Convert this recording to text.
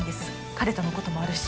彼とのこともあるし。